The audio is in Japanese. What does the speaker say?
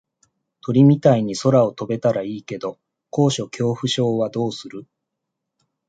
鳥みたいに空を飛べたらいいけど高所恐怖症はどうする？